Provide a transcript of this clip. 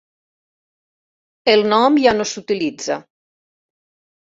El nom ja no s'utilitza.